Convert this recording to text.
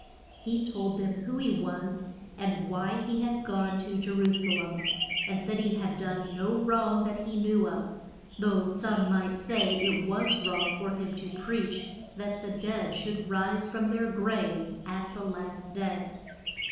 He told them who he was, and why he had gone to Je ru sa lem, and said he had done no wrong that he knew of; though some might say it was wrong for him to preach that the dead should rise from their graves at the last day.